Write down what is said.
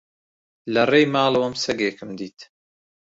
لە ڕێی ماڵەوەم سەگێکم دیت.